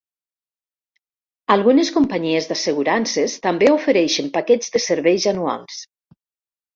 Algunes companyies d'assegurances també ofereixen paquets de serveis anuals.